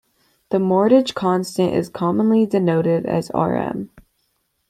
The mortgage constant is commonly denoted as Rm.